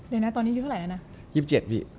เดี๋ยวนะตอนนี้เที่ยวเท่าไหร่แล้วนะ